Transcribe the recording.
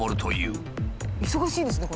忙しいんですね